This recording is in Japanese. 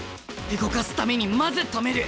動かすためにまず止める。